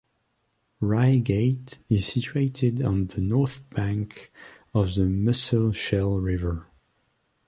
Ryegate is situated on the north bank of the Musselshell River.